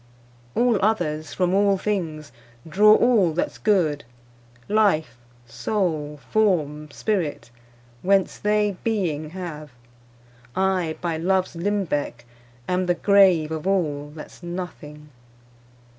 All others, from all things, draw all that's good, Life, soule, forme, spirit, whence they beeing have; I, by loves limbecke, am the grave Of all, that's nothing.